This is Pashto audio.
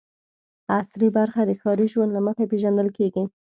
عصري برخه د ښاري ژوند له مخې پېژندل کېږي.